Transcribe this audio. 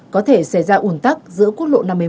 có thể xảy ra ủn tắc giữa quốc lộ năm mươi một